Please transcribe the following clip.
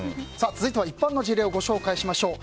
続いては一般の事例をご紹介しましょう。